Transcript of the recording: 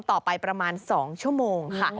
ประมาณ๒ชั่วโมงค่ะ